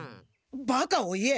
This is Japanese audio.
バカを言え。